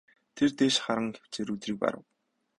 Тэр дээш харан хэвтсээр өдрийг барав.